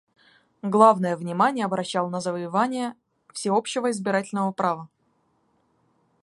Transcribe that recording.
Главное внимание обращал на завоевание всеобщего избирательного права.